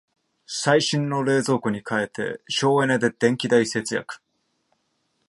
最新の冷蔵庫に替えて省エネで電気代節約